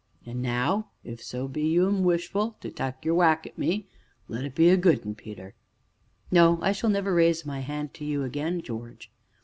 An' now, if so be you 'm wishful to tak' ye whack at me why, let it be a good un, Peter." "No, I shall never raise my hand to you again, George."